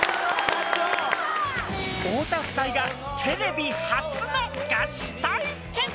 太田夫妻がテレビ初のガチ対決！